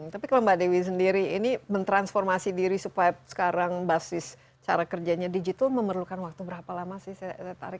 tapi kalau mbak dewi sendiri ini mentransformasi diri supaya sekarang basis cara kerjanya digital memerlukan waktu berapa lama sih saya tarik